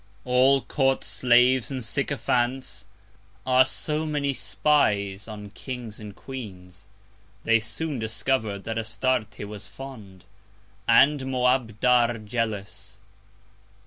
All Court Slaves, and Sycophants, are so many Spies on Kings and Queens: They soon discover'd that Astarte was fond, and Moabdar jealous.